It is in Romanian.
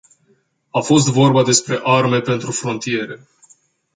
A fost vorba despre arme pentru frontiere.